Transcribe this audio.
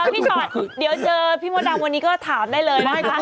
พี่หมอตเดี๋ยวเจอพี่หมอตังวันนี้ก็ถามได้เลยนะครับ